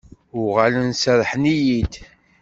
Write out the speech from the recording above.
Uɣalen serrḥen-iyi-d.